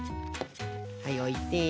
はいおいて。